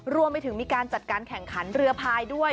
รวมไปถึงมีการจัดการแข่งขันเรือพายด้วย